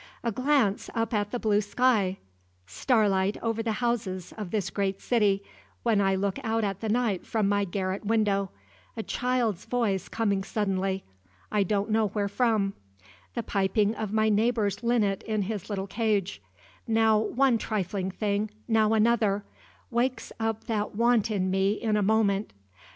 A glance up at the blue sky starlight over the houses of this great city, when I look out at the night from my garret window a child's voice coming suddenly, I don't know where from the piping of my neighbor's linnet in his little cage now one trifling thing, now another wakes up that want in me in a moment.